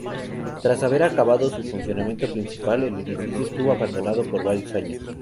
Tras haber acabado su funcionamiento principal, el edificio estuvo abandonado por varios años.